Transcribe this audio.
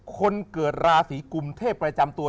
คนเกิดราศีกุมเทพประจำตัว